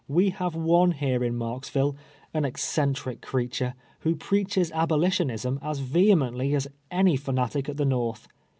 " We have one here in Marksville, an eccentric crea ture, who preaches abolitionism as vehemently as any fanatic at the Xorth.